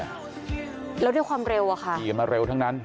แล้วด้วยความเร็วอะค่ะขี่มาเร็วทั้งนั้น